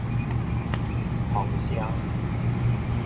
通霄